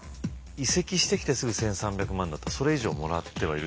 移籍してきてすぐ１，３００万だったらそれ以上もらってはいるだろうね。